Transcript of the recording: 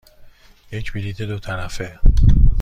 یک بلیط دو طرفه.